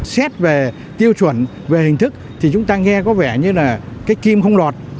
xét về tiêu chuẩn về hình thức thì chúng ta nghe có vẻ như là cái kim không lọt